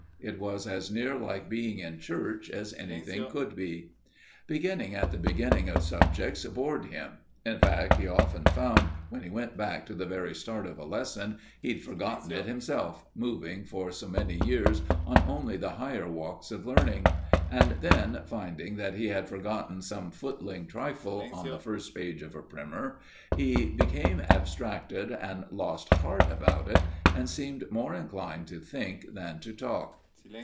It was as near like being in church as anything could be. Beginning at the beginning of subjects bored him. In fact, he often found, when he went back to the very start of a lesson, he'd forgotten it himself, moving for so many years on only the higher walks of learning; and then, finding that he had forgotten some footling trifle on the first page of a primer, he became abstracted and lost heart about it, and seemed more inclined to think than to talk.